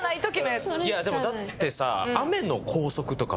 いやでもだってさ。